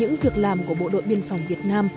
những việc làm của bộ đội biên phòng việt nam